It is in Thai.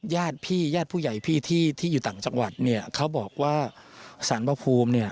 ญาติพี่ญาติผู้ใหญ่พี่ที่อยู่ต่างจังหวัดเนี่ยเขาบอกว่าสารพระภูมิเนี่ย